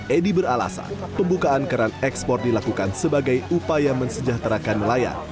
edi beralasan pembukaan keran ekspor dilakukan sebagai upaya mensejahterakan nelayan